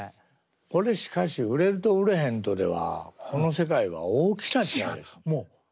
これしかし売れると売れへんとではこの世界は大きな違いです。